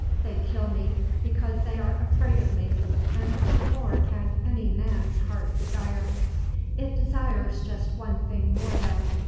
They kill me because they are afraid of me; and what more can any man's heart desire? "It desires just one thing more, though.